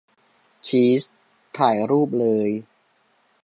ชีส ? ถ่ายรูปเลย !